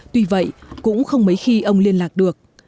tuy vậy cũng không mấy khi ông liên lạc được